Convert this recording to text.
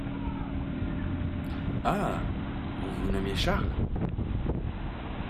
Ah! vous vous nommez Charles?